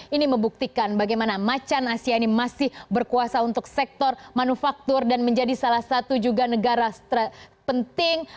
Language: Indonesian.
ini membuktikan bagaimana macan asia ini masih berkuasa untuk sektor manufaktur dan menjadi salah satu juga negara penting